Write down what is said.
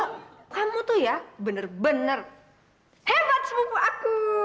kamu tuh ya bener bener hebat sepupu aku